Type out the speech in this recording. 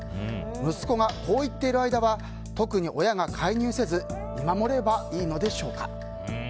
息子がこう言っている間は特に親が介入せず見守ればいいのでしょうか。